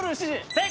正解！